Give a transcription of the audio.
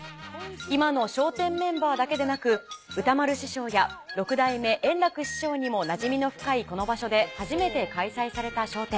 今の笑点メンバーだけでなく歌丸師匠や六代目円楽師匠にもなじみの深いこの場所で初めて開催された『笑点』。